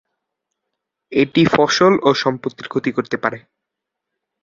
এটি ফসল ও সম্পত্তির ক্ষতি করতে পারে।